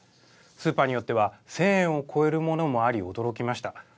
スーパーによっては１０００円を超えるものもあり、驚きました。